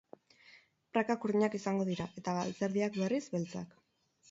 Prakak urdinak izango dira, eta galtzerdiak, berriz, beltzak.